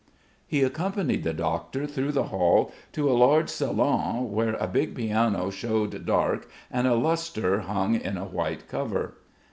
He accompanied the doctor through the hall to a large salon, where a big piano showed dark and a lustre hung in a white cover.